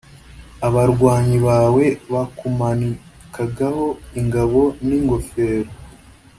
abarwanyi bawe bakumanikagaho ingabo n ingofero